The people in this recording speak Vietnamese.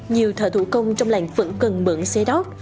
nhiều thợ thủ công trong làng vẫn cần mượn xe đót